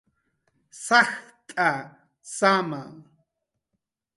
Sajt'a, saama